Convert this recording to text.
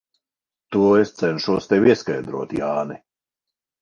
To es cenšos tev ieskaidrot, Jāni.